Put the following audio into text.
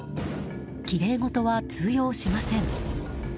きれいごとは通用しません。